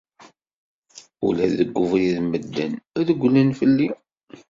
Ula deg ubrid, medden rewwlen fell-i.